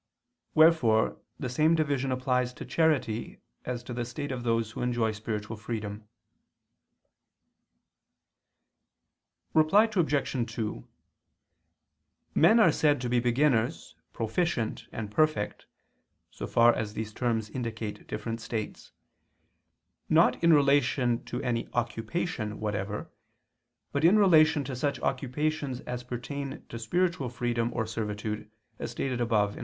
Wherefore the same division applies to charity as to the state of those who enjoy spiritual freedom. Reply Obj. 2: Men are said to be beginners, proficient, and perfect (so far as these terms indicate different states), not in relation to any occupation whatever, but in relation to such occupations as pertain to spiritual freedom or servitude, as stated above (A.